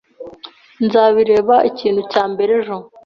Nzabireba ikintu cya mbere ejo.